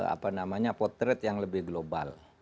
apa namanya potret yang lebih global